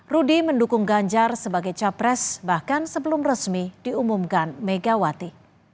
rudy mendukung ganjar sebagai capres bahkan sebelum resmi diumumkan megawati